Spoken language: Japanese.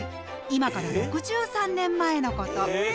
今から６３年前のこと。